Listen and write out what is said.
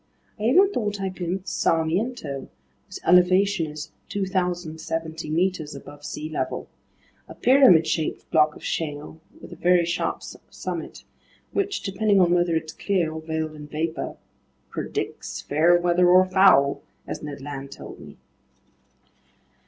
I even thought I glimpsed Mt. Sarmiento, whose elevation is 2,070 meters above sea level: a pyramid shaped block of shale with a very sharp summit, which, depending on whether it's clear or veiled in vapor, "predicts fair weather or foul," as Ned Land told me.